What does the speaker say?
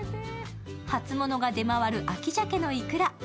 初物が出回る秋じゃけのイクラ。